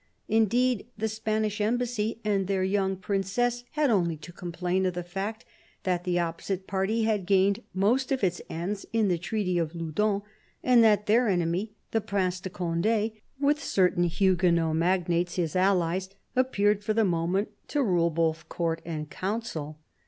Indeed the Spanish embassy and their young Princess had only to complain of the fact that the opposite party had gained most of its ends in the treaty of Loudun, and that their enemy, the Prince de Conde, with certain Huguenot magnates, his allies, appeared for the moment to rule both Court and Council.